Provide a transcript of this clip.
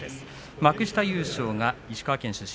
幕下優勝が石川県出身